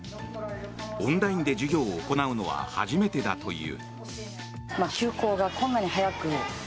オンラインで授業を行うのは初めてだという。